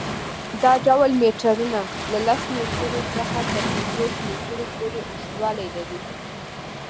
دا ډول میټرونه له لس میټرو څخه تر پنځوس میټرو پورې اوږدوالی لري.